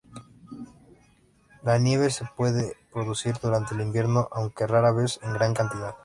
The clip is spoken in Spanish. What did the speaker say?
La nieve se puede producir durante el invierno, aunque rara vez en gran cantidad.